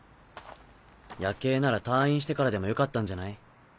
夜景なら退院してからでもよかったんじゃない？